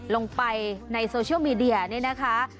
ลงไปในโซเชียลมีเดียนี่นะคะ